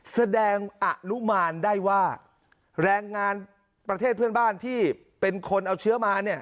แสดงอนุมานได้ว่าแรงงานประเทศเพื่อนบ้านที่เป็นคนเอาเชื้อมาเนี่ย